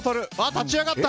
立ち上がった！